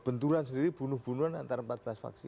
benturan sendiri bunuh bunuhan antara empat belas faksi